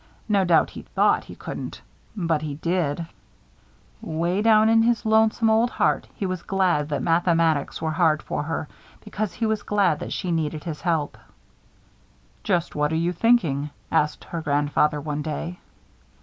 No doubt, he thought he couldn't. But he did. 'Way down in his lonesome old heart he was glad that mathematics were hard for her, because he was glad that she needed his help. "Just what are you thinking?" asked her grandfather, one day.